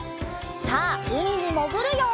さあうみにもぐるよ！